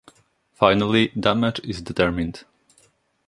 Finally, damage is determined.